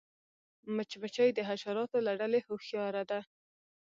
مچمچۍ د حشراتو له ډلې هوښیاره ده